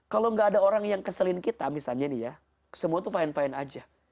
kalau nggak ada orang yang keselin kita misalnya nih ya semua tuh fine fine aja